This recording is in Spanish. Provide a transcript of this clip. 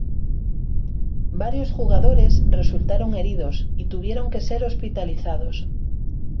Varios jugadores resultaron heridos y tuvieron que ser hospitalizados.